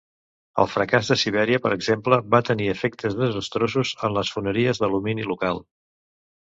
El fracàs de Siberia, per exemple, va tenir efectes desastrosos en les foneries d'alumini local.